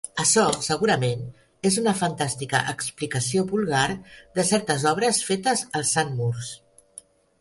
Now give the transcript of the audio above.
Açò, segurament, és una fantàstica explicació vulgar de certes obres fetes alçant murs.